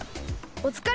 おつかれ。